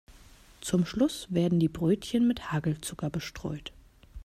Zum Schluss werden die Brötchen mit Hagelzucker bestreut.